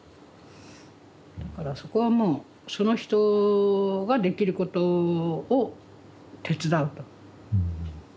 だからそこはもうその人ができることを手伝うと。